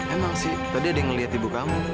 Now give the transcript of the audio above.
emang sih tadi ada yang ngeliat ibu kamu